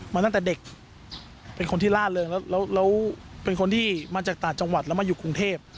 มาตั้งแต่เด็กเป็นคนที่ล่าเริงแล้วเป็นคนที่มาจากต่างจังหวัดแล้วมาอยู่กรุงเทพ